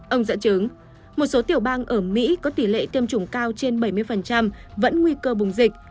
ông dẫn chứng một số tiểu bang ở mỹ có tỷ lệ tiêm chủng cao trên bảy mươi vẫn nguy cơ bùng dịch